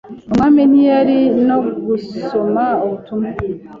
Umwami ntiyari no gusoma ubutumwa.